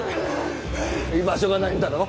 居場所がないんだろ？